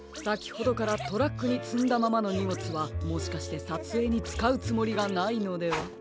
さきほどからトラックにつんだままのにもつはもしかしてさつえいにつかうつもりがないのでは？